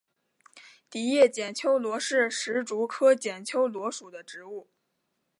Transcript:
狭叶剪秋罗是石竹科剪秋罗属的植物。